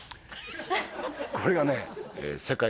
これがね